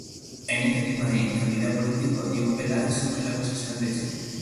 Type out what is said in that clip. En este clima de inestabilidad política, Diego Peláez sufre la acusación de traición.